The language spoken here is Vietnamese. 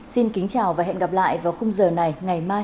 xin kính chào và hẹn gặp lại vào khung giờ này ngày mai